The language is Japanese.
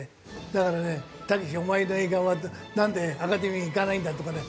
だからね「たけしお前の映画はなんでアカデミーいかないんだ」とかね。